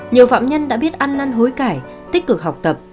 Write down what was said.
nhiều phạm nhân đã biết ăn năn hối cải tích cực học tập